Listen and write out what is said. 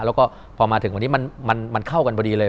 แล้วก็พอมาถึงวันนี้มันเข้ากันพอดีเลย